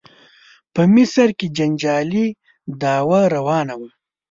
په مصر کې جنجالي دعوا روانه وه.